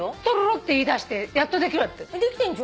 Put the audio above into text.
トロロって言いだしてやっとできるようになって。